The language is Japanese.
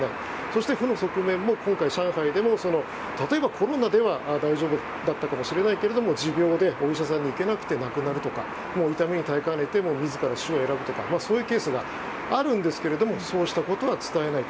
そして、負の側面も今回の上海でも例えば、コロナでは大丈夫だったかもしれないけども持病でお医者さんに行けなくて亡くなるとか痛みに耐えかねて自ら死を選ぶとかそういうケースがあるんですがそうしたことは伝えない。